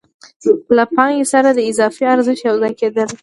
له پانګې سره د اضافي ارزښت یو ځای کېدل